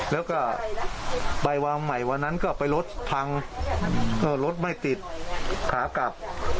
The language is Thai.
แล้วก็ไปวางใหม่วันนั้นก็ไปรถพังก็รถไม่ติดขากลับ